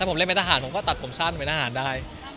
ผมเล่นเป็นทหารผมก็ตัดผมสั้นเป็นทหารได้